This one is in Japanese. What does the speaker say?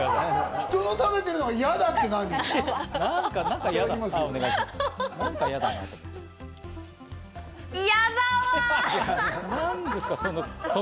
人が食べてるのが嫌だって、何なの？